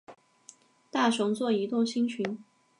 大熊座移动星群